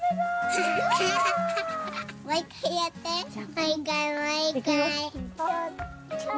もう一回もう一回。